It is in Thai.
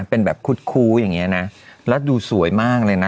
เป็นแบบคุดคู้อย่างเงี้นะแล้วดูสวยมากเลยนะ